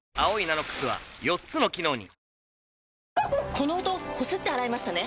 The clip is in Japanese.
この音こすって洗いましたね？